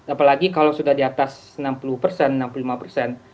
apalagi kalau sudah di atas enam puluh persen enam puluh lima persen